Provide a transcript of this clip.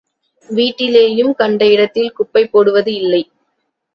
வீட்டிலேயும் கண்ட இடத்தில் குப்பை போடுவது இல்லை.